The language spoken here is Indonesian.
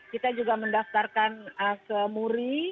kita juga mendaftarkan ke muri